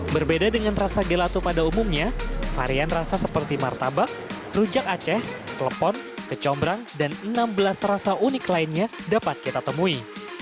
berbeda dengan rasa gelato pada umumnya varian rasa seperti martabak rujak aceh klepon kecombrang dan enam belas rasa unik lainnya dapat kita temui